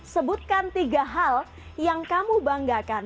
sebutkan tiga hal yang kamu banggakan